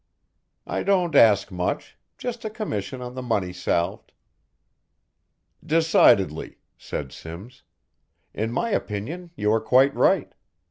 I don't ask much, just a commission on the money salved." "Decidedly," said Simms. "In my opinion you are quite right.